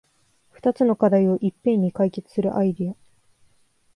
ふたつの課題をいっぺんに解決するアイデア